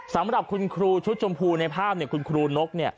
สำหรับคุณครูชุดชมพูในภาพคุณครูนก